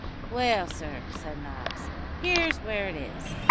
"Well, sir," said Nobbs, "here's where it is.